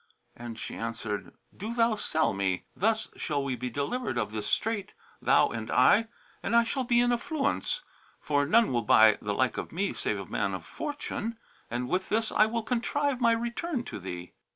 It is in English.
and she answered, "Do thou sell me; thus shall we be delivered of this strait, thou and I, and I shall be in affluence; for none will buy the like of me save a man of fortune, and with this I will contrive for my return to thee."